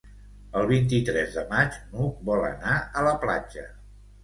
El vint-i-tres de maig n'Hug vol anar a la platja.